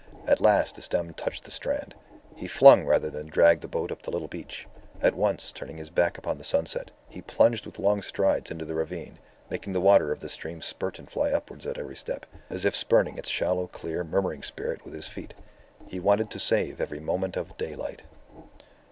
At last the stem touched the strand. He flung rather than dragged the boat up the little beach. At once, turning his back upon the sunset, he plunged with long strides into the ravine, making the water of the stream spurt and fly upwards at every step, as if spurning its shallow, clear, murmuring spirit with his feet. He wanted to save every moment of daylight.